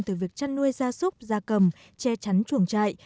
từ việc chăn nuôi gia súc gia cầm che chắn chuồng trại